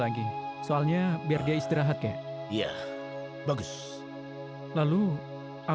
kami sarana pasti siap kerunaan kami